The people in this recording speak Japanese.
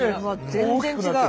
全然違う。